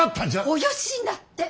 およしになって！